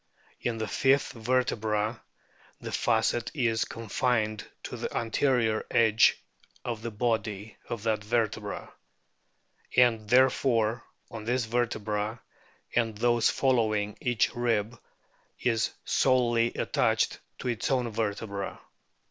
In the fifth vertebra the facet is confined to the anterior edge of the body of that vertebra ; and therefore on this vertebra and those following each rib is solely attached to its own vertebra.